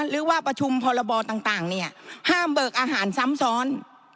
หรือว่าประชุมพรบต่างเนี่ยห้ามเบิกอาหารซ้ำซ้อน